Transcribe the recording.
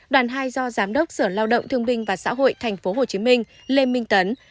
đoàn hai do giám đốc sở lao động thương binh và xã hội tp hcm lê minh tấn